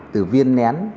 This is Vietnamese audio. từ viên nén